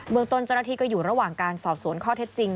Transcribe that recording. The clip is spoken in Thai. เมืองต้นเจ้าหน้าที่ก็อยู่ระหว่างการสอบสวนข้อเท็จจริง